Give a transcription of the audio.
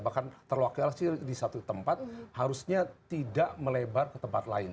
bahkan terlokasi di satu tempat harusnya tidak melebar ke tempat lain